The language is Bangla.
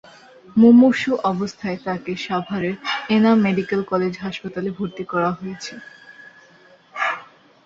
মুমূর্ষু অবস্থায় তাঁকে সাভারের এনাম মেডিকেল কলেজ হাসপাতালে ভর্তি করা হয়েছে।